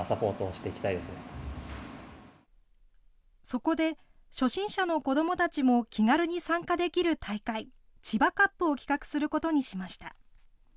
そこで、初心者の子どもたちも気軽に参加できる大会、ＣＨＩＢＡＣＵＰを企画することにしました。